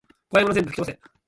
こわいもの全部ふきとばせ